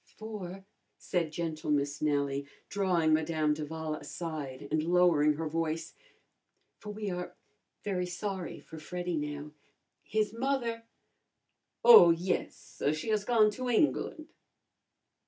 "For," said gentle Miss Nellie, drawing Madame d'Avala aside and lowering her voice "for we are very sorry for Freddy now. His mother " "Oh, yes, she has gone to England."